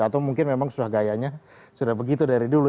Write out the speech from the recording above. atau mungkin memang sudah gayanya sudah begitu dari dulu